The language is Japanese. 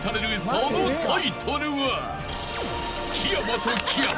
そのタイトルは］